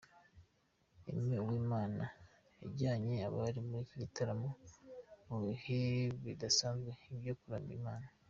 Aime Uwimana yajyanye abari muri iki gitaramo mu bihe bidasanzwe byo kuramya Imana.